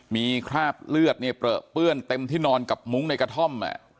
มีคราบเลือดเนี่ยเปลือเปื้อนเต็มที่นอนกับมุ้งในกระท่อม